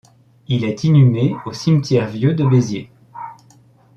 Il est inhumé au cimetière vieux de Béziers.